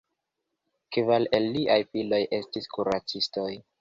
Kvar el liaj filoj estis kuracistoj.